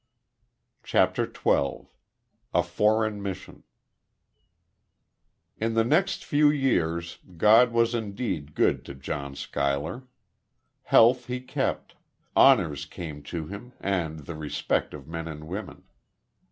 CHAPTER TWELVE. A FOREIGN MISSION In the next few years, God was indeed good to John Schuyler. Health he kept; honors came to him, and the respect of men and of women.